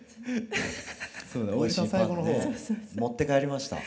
おいしいパンね持って帰りました。